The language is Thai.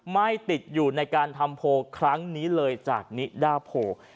ไม่ติดอยู่ในการทำโพลครั้งนี้เลยจากนิดาโพ